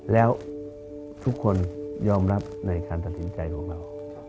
แล้วทุกคนยอมรับในการตัดสินใจของเรา